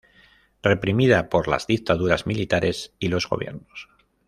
Reprimida por las dictaduras militares y los gobiernos.